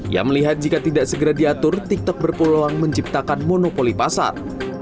ia melihat jika tidak segera diatur tiktok berpeluang menciptakan monopoli pasar